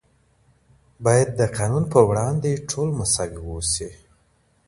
بايد د قانون په وړاندې ټول مساوي واوسي.